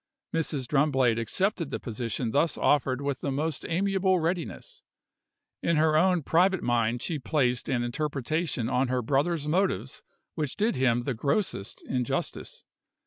Mrs. Drumblade accepted the position thus offered with the most amiable readiness. In her own private mind she placed an interpretation on her brother's motives which did him the grossest injustice.